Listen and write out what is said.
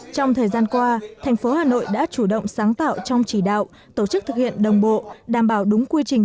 trong thời gian qua thành phố hà nội đã chủ động sáng tạo trong chỉ đạo tổ chức thực hiện đồng bộ đảm bảo đúng quy trình